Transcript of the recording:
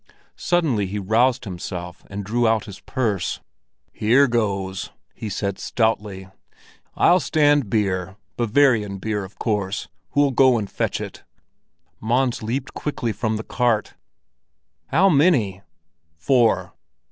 Suddenly he roused himself and drew out his purse. "Here goes!" he said stoutly. "I'll stand beer! Bavarian beer, of course. Who'll go and fetch it?" Mons leaped quickly from the cart. "How many?" "Four."